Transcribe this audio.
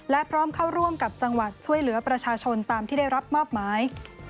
และพร้อมเข้าร่วมกับจังหวัดช่วยเหลือประชาชนตามที่ได้รับมอบหมาย